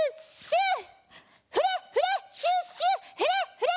フレ！